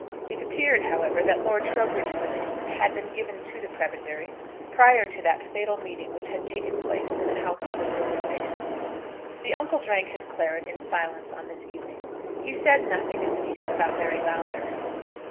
It appeared, however, that Lord Trowbridge's opinion had been given to the Prebendary prior to that fatal meeting which had taken place in the house of the murdered man. The uncle drank his claret in silence on this evening. He said nothing, at least, about Mary Lowther.